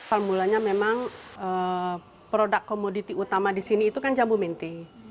awal mulanya memang produk komoditi utama di sini itu kan jambu mente